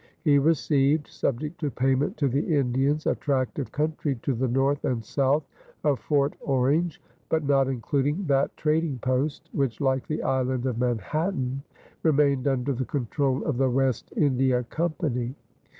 He received, subject to payment to the Indians, a tract of country to the north and south of Fort Orange, but not including that trading post, which like the island of Manhattan remained under the control of the West India Company.